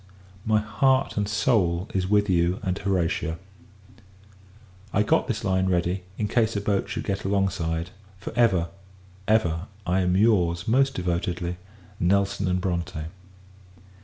My heart and soul is with you and Horatia. I got this line ready, in case a boat should get alongside. For ever, ever, I am your's, most devotedly, NELSON & BRONTE.